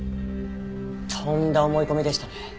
とんだ思い込みでしたね。